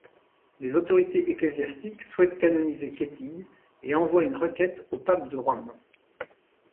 Les autorités ecclésiastiques souhaitent canoniser Ketille, et envoient une requête au pape de Rome.